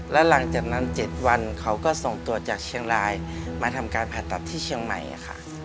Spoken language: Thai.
และหลังจากนั้น๗วันเขาก็ส่งตัวจากเชียงรายมาทำการผ่าตัดที่เชียงใหม่ค่ะ